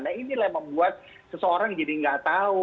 nah inilah yang membuat seseorang jadi nggak tahu